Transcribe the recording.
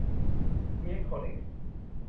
อิเลคโทรนิคส์